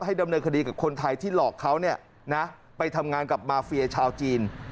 ดำเนินคดีกับคนไทยที่หลอกเขาไปทำงานกับมาเฟียชาวจีน